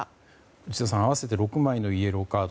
内田さん合わせて６枚のイエローカード